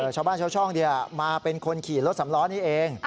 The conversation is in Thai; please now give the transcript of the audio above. ชาวบ้านชาวช่องมาเป็นคนขี่รถสำล้อนี้เอง